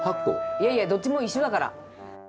いやいやどっちも一緒だから。